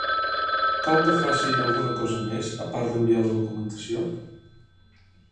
Cal que faci alguna cosa més, a part d'enviar la documentació?